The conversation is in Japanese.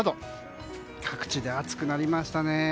各地で暑くなりましたね。